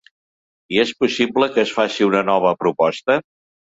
I és possible que es faci una nova proposta?